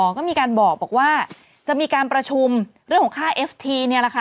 ก็มีการบอกว่าจะมีการประชุมเรื่องของค่าเอฟทีเนี่ยแหละค่ะ